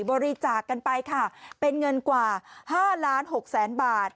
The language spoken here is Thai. บริจาคกันไปค่ะเป็นเงินกว่า๕ล้านหกแสนบาท